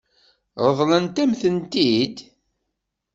Ṛeḍlent-am-ten-id?